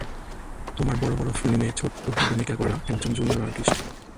তোমার বড় বড় ফিল্মে ছোট্ট ভূমিকা করা, একজন জুনিয়র আর্টিস্ট।